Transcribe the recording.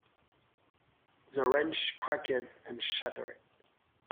The wrench cracked and shattered.